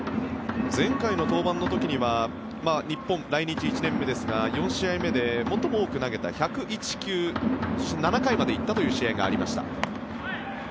前回の登板の時には日本来日１年目ですが４試合目で最も多く投げた１０１球、７回まで行ったという試合がありました。